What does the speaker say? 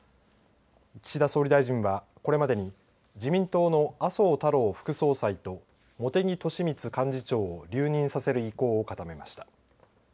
岸田総理大臣は、これまでに自民党の麻生太郎副総裁と茂木敏充幹事長を留任させる意向を固めました。